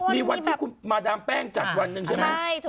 มีวันที่คุณมาดามแป้งจัดวันหนึ่งใช่ไหม